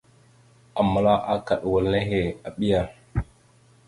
Aməla akaɗ wal nehe, aɓiya.